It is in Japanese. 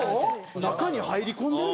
「中に入り込んでる」